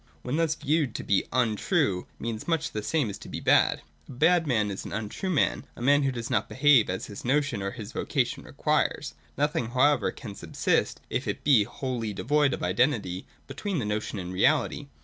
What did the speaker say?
When thus viewed, to be untrue means much the same as to be bad. A bad man is an untrue man, a man who does not behave as his notion or his vocation requires. Nothing however can subsist, if it be wholly devoid of identity between the notion and reality.